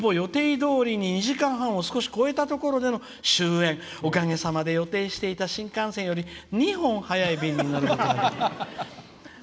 ほぼ予定どおりに２時間半を少し超えたところでの終演おかげさまで予定していた新幹線の２本早い便に乗ることができました。